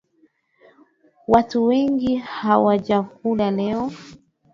Watu wengi hawajakuja leo